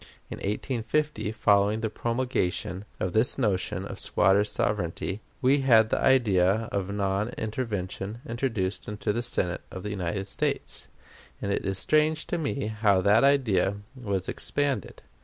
In 1850, following the promulgation of this notion of squatter sovereignty, we had the idea of non intervention introduced into the Senate of the United States, and it is strange to me how that idea has expanded.